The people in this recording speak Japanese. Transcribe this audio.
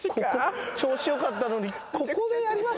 調子良かったのにここでやります？